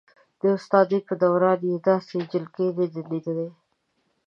د استادۍ په دوران کې یې داسې جلکۍ نه ده لیدلې.